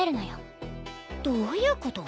どういうこと？